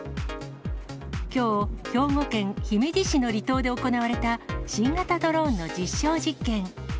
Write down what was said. きょう、兵庫県姫路市の離島で行われた、新型ドローンの実証実験。